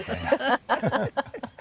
ハハハハ！